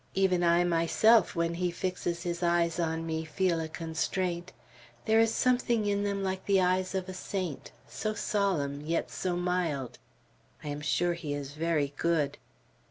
Even I myself, when he fixes his eyes on me, feel a constraint. There is something in them like the eyes of a saint, so solemn, yet so mild. I am sure he is very good."